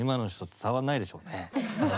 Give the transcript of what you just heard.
伝わらないでしょうね。